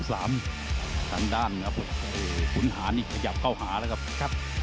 ทางด้านขุนหานี่ขยับเข้าหาแล้วครับ